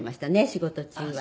仕事中は。